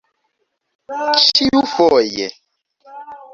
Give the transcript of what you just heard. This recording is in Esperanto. ĉiufoje